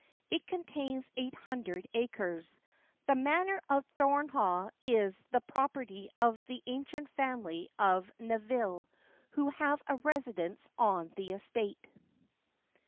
It contains eight hundred acres. The manor of Thornehagh is the property of the ancient family of Nevile, who have a residence on the estate.